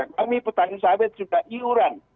kami petani sahabat sudah iuran